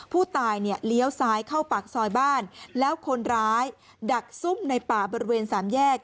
ผู้ตายเนี่ยเลี้ยวซ้ายเข้าปากซอยบ้านแล้วคนร้ายดักซุ่มในป่าบริเวณสามแยก